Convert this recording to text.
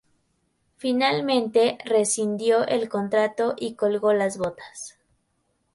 Finalmente, rescindió el contrato y colgó las botas.